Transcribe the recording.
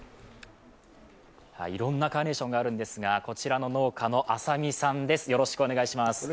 いろんなカーネーションがあるんですが、こちらの農家の浅見さんです。